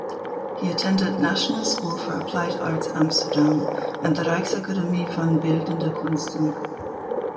He attended (National School for Applied Arts Amsterdam) and the Rijksakademie van beeldende kunsten.